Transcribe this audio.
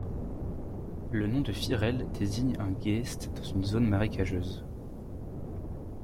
Le nom de Firrel désigne un geest dans une zone marécageuse.